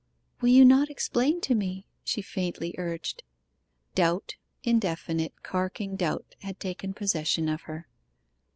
'Will you not explain to me?' she faintly urged. Doubt indefinite, carking doubt had taken possession of her.